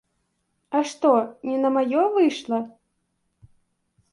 А што, не на маё выйшла?